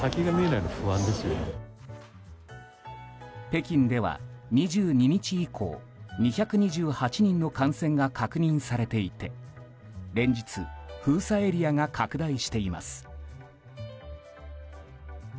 北京では２２日以降２２８人の感染が確認されていて連日、封鎖エリアが拡大しています。